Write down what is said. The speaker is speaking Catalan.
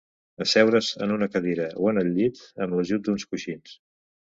Asseure's en una cadira o en el llit, amb l'ajut d'uns coixins.